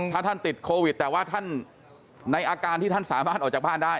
ถ้าท่านติดโควิดแต่ว่าท่านในอาการที่ท่านสามารถออกจากบ้านได้